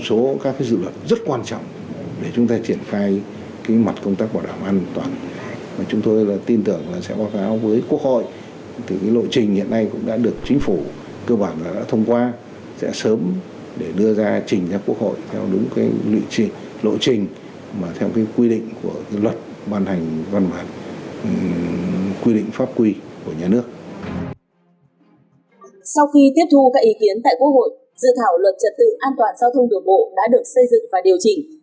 sau khi tiếp thu các ý kiến tại quốc hội dự thảo luật trật tự an toàn giao thông đường bộ đã được xây dựng và điều chỉnh